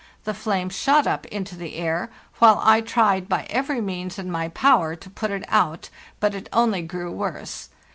The flame shot up into the air, while I tried by every means in my power to put it out, but it only grew worse.